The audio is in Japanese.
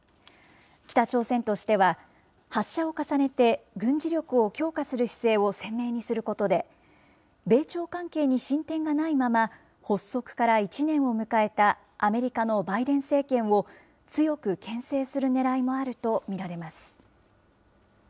北朝鮮としては、発射を重ねて軍事力を強化する姿勢を鮮明にすることで、米朝関係に進展がないまま、発足から１年を迎えたアメリカのバイデン政権を強くけん制するねらいもあると見られます。